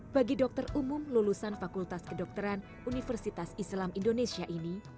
bagi dokter umum lulusan fakultas kedokteran universitas islam indonesia ini